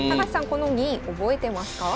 この銀覚えてますか？